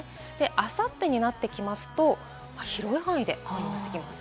あさってになってきますと、広い範囲で雨になってきます。